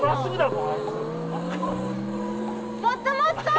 もっともっと！